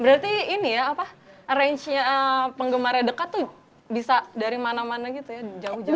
berarti ini ya apa arrangenya penggemarnya dekat tuh bisa dari mana mana gitu ya jauh jauh